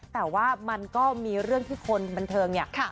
แต่ว่ามันก็มีเรื่องที่คนบันเทิงเนี่ย